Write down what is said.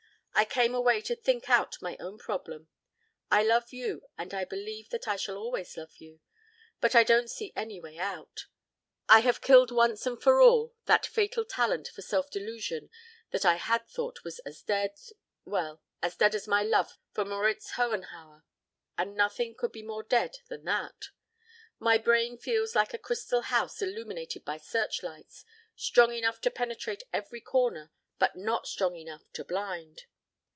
I came away to think out my own problem. I love you and I believe that I shall always love you but I don't see any way out. I have killed once and for all that fatal talent for self delusion that I had thought was as dead well, as dead as my love for Moritz Hohenhauer; and nothing could be more dead than that. My brain feels like a crystal house illuminated by searchlights, strong enough to penetrate every corner but not strong enough to blind.